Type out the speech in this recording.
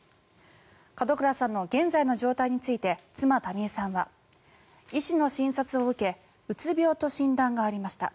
門倉さんの現在の状態について妻・民江さんは医師の診察を受けうつ病と診断がありました。